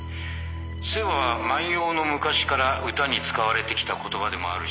「背は万葉の昔から歌に使われてきた言葉でもあるし」